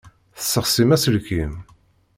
Tessexsim aselkim.